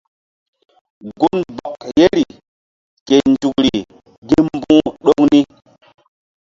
Gunbɔk yeri ke nzukri gi mbu̧h ɗoŋ ni.